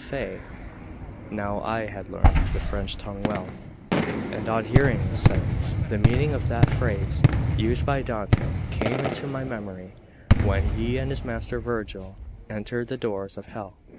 Now I had learned the French tongue well; and on hearing this sentence, the meaning of that phrase used by Dante came into my memory, when he and his master Virgil entered the doors of Hell.